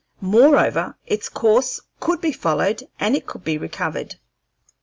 Moreover, its course could be followed and it could be recovered.